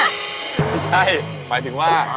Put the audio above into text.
ไม่ใช่หมายถึงว่า